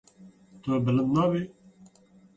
Tu bilind nabî.